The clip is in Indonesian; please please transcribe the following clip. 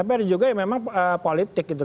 tapi ada juga yang memang politik gitu